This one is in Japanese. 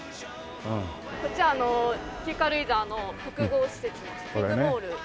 こっちは旧軽井沢の複合施設のショッピングモール。